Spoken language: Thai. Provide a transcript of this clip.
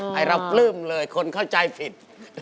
ให้เรากลืมจริงผมเข้าใจผิด